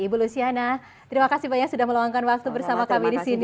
ibu lusiana terima kasih banyak sudah meluangkan waktu bersama kami disini